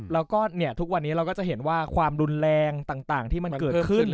แล้วก็ทุกวันนี้เราก็จะเห็นว่าความรุนแรงต่างที่มันเกิดขึ้น